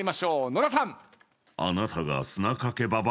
野田さん。